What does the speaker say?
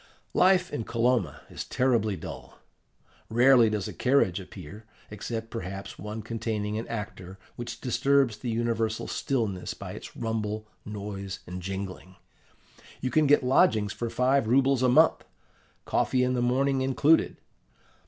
"Life in Kolomna is terribly dull: rarely does a carriage appear, except, perhaps, one containing an actor, which disturbs the universal stillness by its rumble, noise, and jingling. You can get lodgings for five rubles a month, coffee in the morning included.